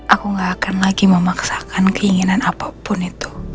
aku gak akan lagi memaksakan keinginan apapun itu